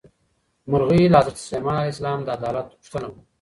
مرغۍ له حضرت سلیمان علیه السلام د عدالت غوښتنه وکړه.